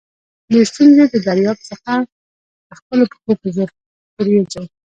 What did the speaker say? د ستونزي له دریاب څخه د خپلو پښو په زور پورېوځئ!